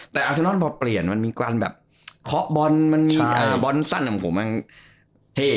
แต่อาชนัลพอเปลี่ยนมันมีการแบบคอปบอลมันมีบอลสั้นมันเท่